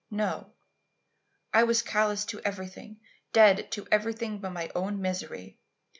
No. I was callous to everything, dead to everything but my own misery.